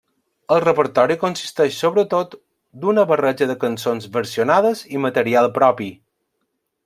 El repertori consisteix sobretot d'una barreja de cançons versionades i material propi.